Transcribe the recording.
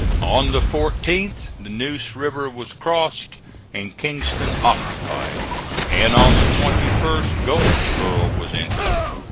On the 14th the Neuse River was crossed and Kinston occupied, and on the 21st Goldsboro' was entered.